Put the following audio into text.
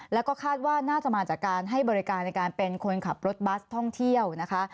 แล้วก็คาดว่าน่าจะมาจากการให้บริการในการเป็นคนขับรถบัสท่องเที่ยวนะคะ